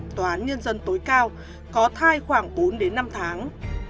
tòa án nhân dân tối cao có thai khoảng bốn đến năm tháng